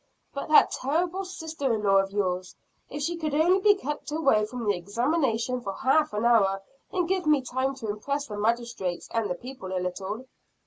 "But that terrible sister in law of yours! If she could only be kept away from the examination for half an hour; and give me time to impress the magistrates and the people a little."